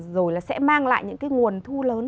rồi sẽ mang lại những nguồn thu lớn